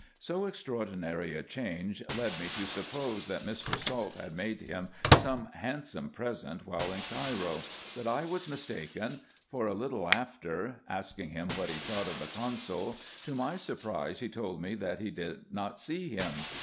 So extraordinary a change led me to suppose, that Mr. Salt had made him some handsome present when in Cairo ; but I was mis taken, for, a little after, asking him what he thought of the consul, to my surprise he told me, that he did not see him.